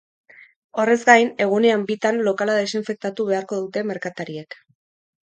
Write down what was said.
Horrez gain, egunean bitan lokala desinfektatu beharko dute merkatariek.